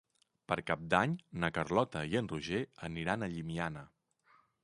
Per Cap d'Any na Carlota i en Roger aniran a Llimiana.